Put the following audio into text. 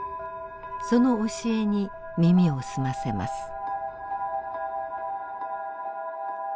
その教えに耳を澄ませます。